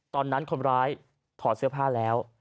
ตอนนั้นคนร้ายถอดเสื้อผ้าแล้ว